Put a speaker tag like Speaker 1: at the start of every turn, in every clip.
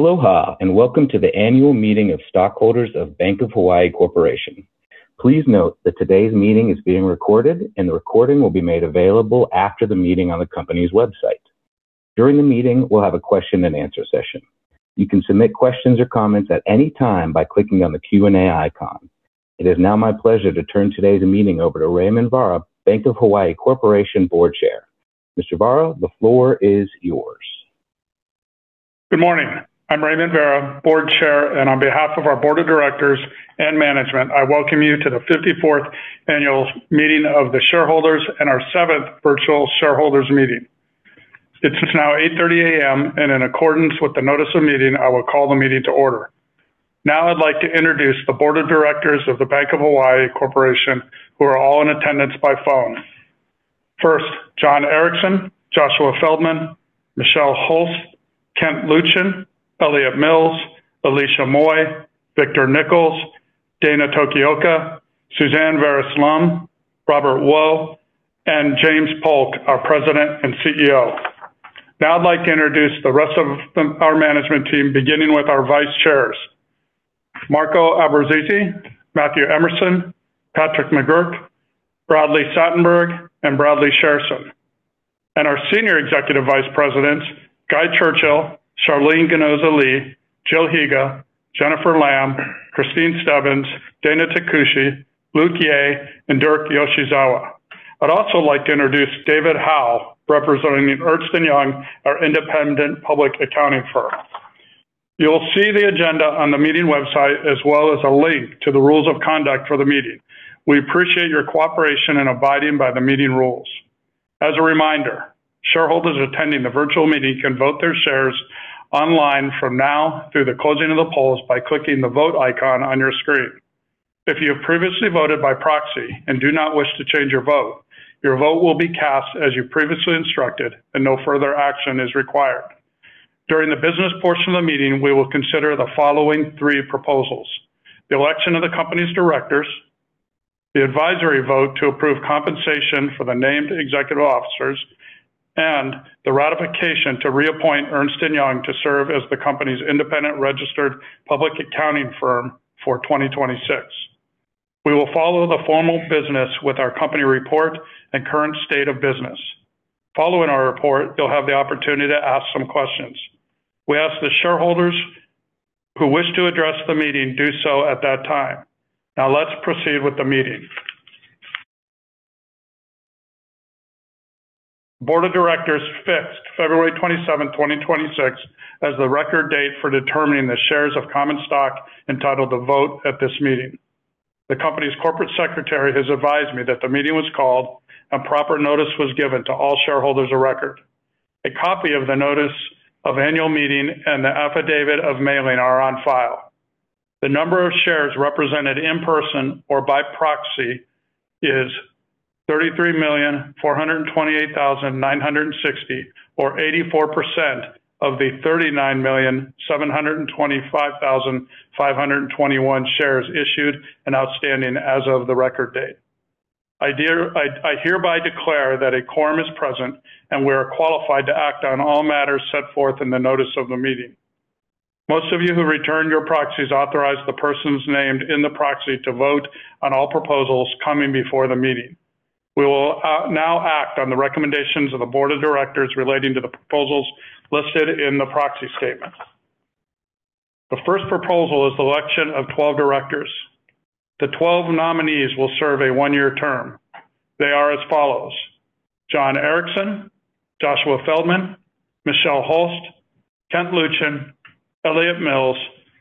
Speaker 1: Aloha, and welcome to the annual meeting of stockholders of Bank of Hawaii Corporation. Please note that today's meeting is being recorded, and the recording will be made available after the meeting on the company's website. During the meeting, we'll have a question and answer session. You can submit questions or comments at any time by clicking on the Q&A icon. It is now my pleasure to turn today's meeting over to Raymond Vara, Bank of Hawaii Corporation Board Chair. Mr. Vara, the floor is yours.
Speaker 2: Good morning. I'm Raymond Vara, Board Chair, and on behalf of our board of directors and management, I welcome you to the 54th annual meeting of the shareholders and our seventh virtual shareholders meeting. It is now 8:30 A.M., and in accordance with the notice of meeting, I will call the meeting to order. Now I'd like to introduce the board of directors of the Bank of Hawaii Corporation, who are all in attendance by phone. First, John Erickson, Joshua Feldman, Michelle Hulst, Kent Lucien, Elliot Mills, Alicia Moy, Victor Nichols, Dana Tokioka, Suzanne Vares-Lum, Robert Wo, and James Polk, our President and CEO. Now I'd like to introduce the rest of our management team, beginning with our vice chairs. Marco Abbruzzese, Matthew Emerson, Patrick McGuirk, Bradley Satenberg, and Bradley Shairson. Our Senior Executive Vice Presidents, Guy Churchill, Sharlene Ginoza-Lee, Jill Higa, Jennifer Lam, Kristine Stebbins, Dana Takushi, Luke Yeh, and Dirk Yoshizawa. I'd also like to introduce David Howell, representing Ernst & Young, our independent public accounting firm. You'll see the agenda on the meeting website as well as a link to the rules of conduct for the meeting. We appreciate your cooperation in abiding by the meeting rules. As a reminder, shareholders attending the virtual meeting can vote their shares online from now through the closing of the polls by clicking the Vote icon on your screen. If you have previously voted by proxy and do not wish to change your vote, your vote will be cast as you previously instructed, and no further action is required. During the business portion of the meeting, we will consider the following three proposals. The election of the company's directors, the advisory vote to approve compensation for the named executive officers, and the ratification to reappoint Ernst & Young to serve as the company's independent registered public accounting firm for 2026. We will follow the formal business with our company report and current state of business. Following our report, you'll have the opportunity to ask some questions. We ask the shareholders who wish to address the meeting do so at that time. Now let's proceed with the meeting. The Board of Directors fixed February 27, 2026, as the record date for determining the shares of common stock entitled to vote at this meeting. The company's corporate secretary has advised me that the meeting was called and proper notice was given to all shareholders of record. A copy of the notice of annual meeting and the affidavit of mailing are on file. The number of shares represented in person or by proxy is 33,428,960, or 84% of the 39,725,521 shares issued and outstanding as of the record date. I hereby declare that a quorum is present and we are qualified to act on all matters set forth in the notice of the meeting. Most of you who returned your proxies authorized the persons named in the proxy to vote on all proposals coming before the meeting. We will now act on the recommendations of the board of directors relating to the proposals listed in the proxy statement. The first proposal is the election of 12 directors. The 12 nominees will serve a one-year term. They are as follows: John Erickson, Joshua Feldman, Michelle Hulst, Kent Lucien, Elliot Mills,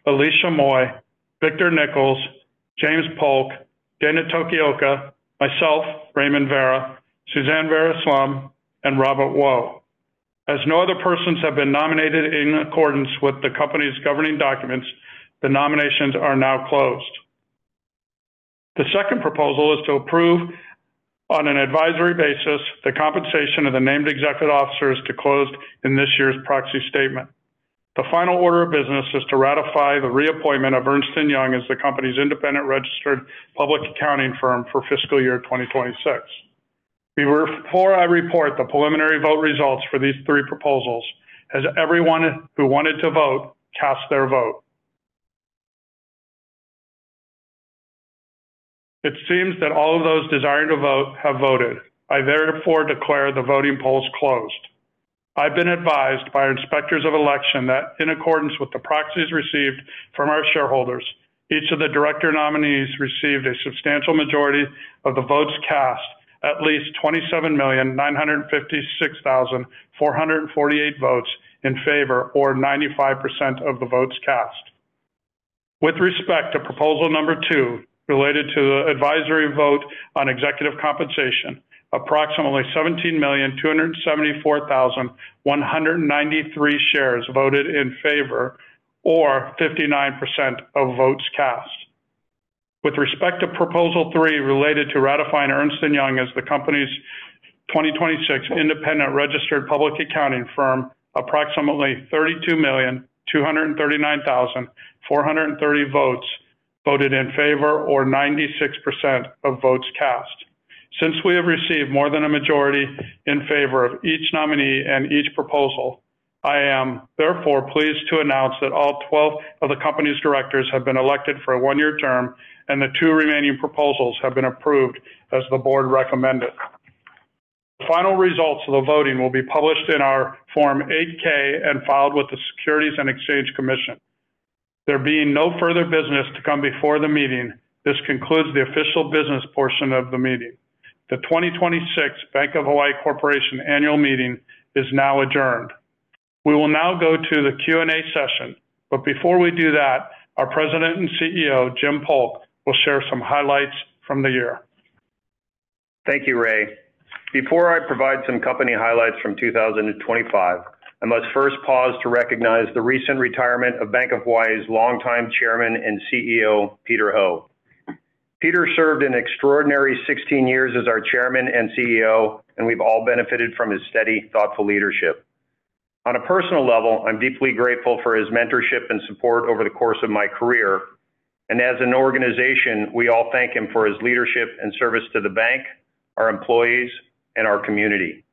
Speaker 2: Alicia Moy, Victor Nichols, James Polk, Dana Tokioka, myself, Raymond Vara, Suzanne Vares-Lum, and Robert Wo. As no other persons have been nominated in accordance with the company's governing documents, the nominations are now closed. The second proposal is to approve on an advisory basis the compensation of the named executive officers disclosed in this year's proxy statement. The final order of business is to ratify the reappointment of Ernst & Young as the company's independent registered public accounting firm for fiscal year 2026. Before I report the preliminary vote results for these three proposals, has everyone who wanted to vote cast their vote? It seems that all of those desiring to vote have voted. I therefore declare the voting polls closed. I've been advised by inspectors of election that in accordance with the proxies received from our shareholders, each of the director nominees received a substantial majority of the votes cast, at least 27,956,448 votes in favor, or 95% of the votes cast. With respect to proposal number two related to the advisory vote on executive compensation, approximately 17,274,193 shares voted in favor, or 59% of votes cast. With respect to proposal three related to ratifying Ernst & Young as the company's 2026 independent registered public accounting firm, approximately 32,239,430 votes voted in favor, or 96% of votes cast. Since we have received more than a majority in favor of each nominee and each proposal, I am therefore pleased to announce that all 12 of the company's directors have been elected for a one-year term, and the two remaining proposals have been approved as the board recommended. The final results of the voting will be published in our Form 8-K and filed with the Securities and Exchange Commission. There being no further business to come before the meeting, this concludes the official business portion of the meeting. The 2026 Bank of Hawaii Corporation Annual Meeting is now adjourned. We will now go to the Q&A session, but before we do that, our President and CEO, Jim Polk, will share some highlights from the year.
Speaker 3: Thank you, Ray. Before I provide some company highlights from 2025, I must first pause to recognize the recent retirement of Bank of Hawaii's longtime Chairman and CEO, Peter Ho. Peter served an extraordinary 16 years as our Chairman and CEO, and we've all benefited from his steady, thoughtful leadership. On a personal level, I'm deeply grateful for his mentorship and support over the course of my career. As an organization, we all thank him for his leadership and service to the bank, our employees, and our community.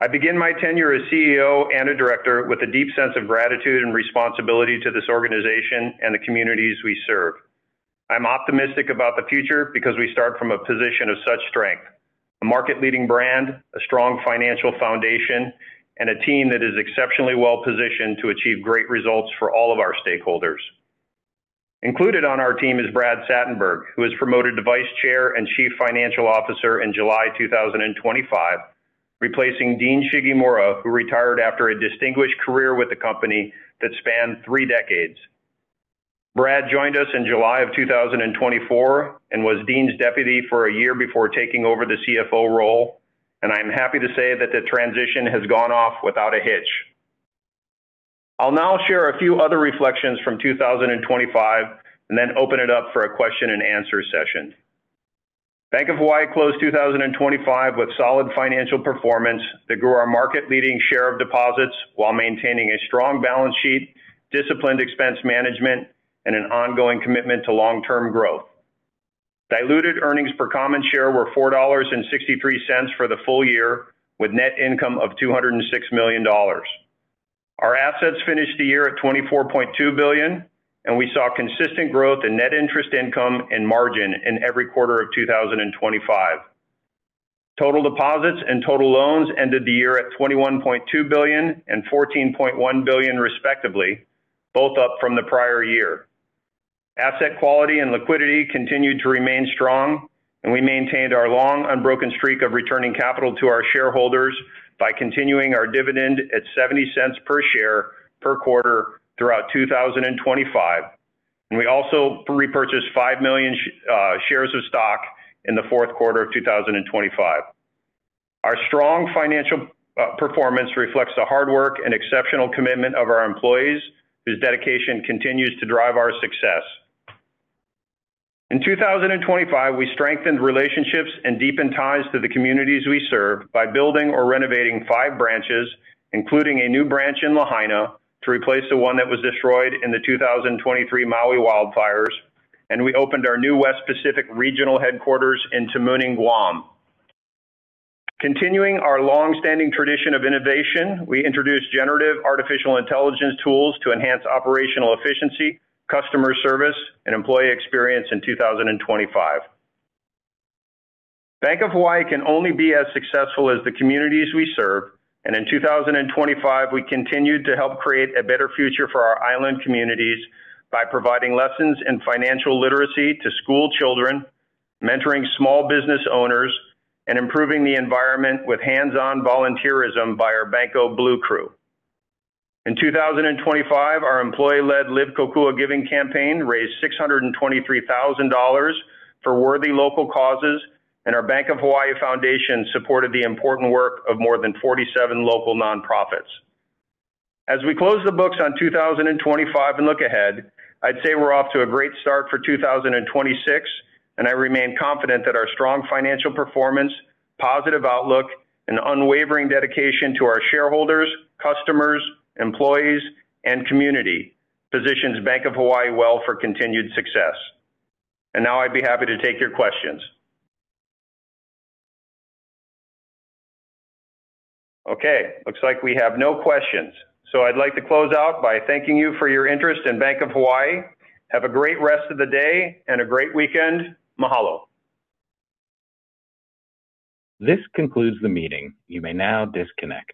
Speaker 3: I begin my tenure as CEO and a director with a deep sense of gratitude and responsibility to this organization and the communities we serve. I'm optimistic about the future because we start from a position of such strength. A market-leading brand, a strong financial foundation, and a team that is exceptionally well positioned to achieve great results for all of our stakeholders. Included on our team is Brad Satenberg, who was promoted to Vice Chair and Chief Financial Officer in July 2025, replacing Dean Shigemura, who retired after a distinguished career with the company that spanned three decades. Brad joined us in July of 2024 and was Dean's deputy for a year before taking over the CFO role, and I'm happy to say that the transition has gone off without a hitch. I'll now share a few other reflections from 2025 and then open it up for a question and answer session. Bank of Hawaii closed 2025 with solid financial performance that grew our market-leading share of deposits while maintaining a strong balance sheet, disciplined expense management, and an ongoing commitment to long-term growth. Diluted earnings per common share were $4.63 for the full year, with net income of $206 million. Our assets finished the year at $24.2 billion, and we saw consistent growth in net interest income and margin in every quarter of 2025. Total deposits and total loans ended the year at $21.2 billion and $14.1 billion respectively, both up from the prior year. Asset quality and liquidity continued to remain strong, and we maintained our long, unbroken streak of returning capital to our shareholders by continuing our dividend at 70 cents per share per quarter throughout 2025. We also repurchased five million shares of stock in the fourth quarter of 2025. Our strong financial performance reflects the hard work and exceptional commitment of our employees, whose dedication continues to drive our success. In 2025, we strengthened relationships and deepened ties to the communities we serve by building or renovating five branches, including a new branch in Lahaina to replace the one that was destroyed in the 2023 Maui wildfires, and we opened our new West Pacific regional headquarters in Tamuning, Guam. Continuing our long-standing tradition of innovation, we introduced generative artificial intelligence tools to enhance operational efficiency, customer service, and employee experience in 2025. Bank of Hawaii can only be as successful as the communities we serve. In 2025, we continued to help create a better future for our island communities by providing lessons in financial literacy to school children, mentoring small business owners, and improving the environment with hands-on volunteerism by our Bankoh Blue Crew. In 2025, our employee-led Live Kōkua giving campaign raised $623,000 for worthy local causes, and our Bank of Hawaii Foundation supported the important work of more than 47 local nonprofits. As we close the books on 2025 and look ahead, I'd say we're off to a great start for 2026, and I remain confident that our strong financial performance, positive outlook, and unwavering dedication to our shareholders, customers, employees, and community positions Bank of Hawaii well for continued success. Now I'd be happy to take your questions. Okay, looks like we have no questions. I'd like to close out by thanking you for your interest in Bank of Hawaii. Have a great rest of the day and a great weekend. Mahalo.
Speaker 1: This concludes the meeting. You may now disconnect.